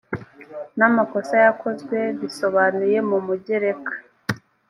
n amakosa yakozwe bisobanuye mu mugereka